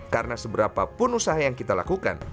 karena seberapapun usaha yang kita lakukan